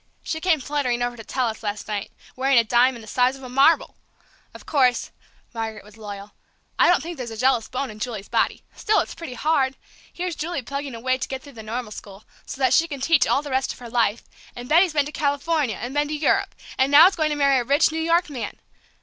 "She came fluttering over to tell us last night, wearing a diamond the size of a marble! Of course," Margaret was loyal, "I don't think there's a jealous bone in Julie's body; still, it's pretty hard! Here's Julie plugging away to get through the Normal School, so that she can teach all the rest of her life, and Betty's been to California, and been to Europe, and now is going to marry a rich New York man!